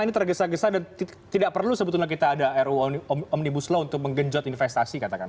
ini tergesa gesa dan tidak perlu sebetulnya kita ada ruu omnibus law untuk menggenjot investasi katakan